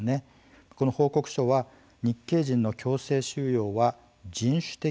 この報告書は日系人の強制収容は人種的